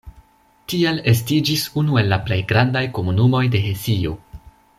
Tiel estiĝis unu el la plej grandaj komunumoj de Hesio.